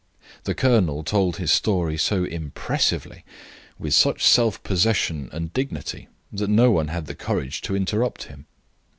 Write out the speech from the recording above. The colonel told his story so impressively, with such self possession and dignity, that no one had the courage to interrupt him.